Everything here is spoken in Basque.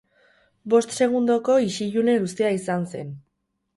Bost segundoko isilune luzea izan zen.